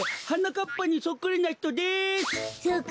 はなかっぱにそっくりなひとです。